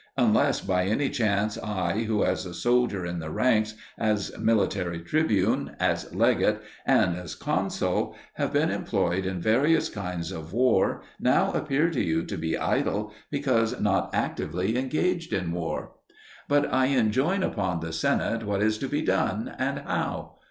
Unless by any chance I, who as a soldier in the ranks, as military tribune, as legate, and as consul have been employed in various kinds of war, now appear to you to be idle because not actively engaged in war. But I enjoin upon the Senate what is to be done, and how.